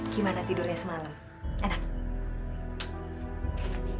gimana tidurnya semalam enak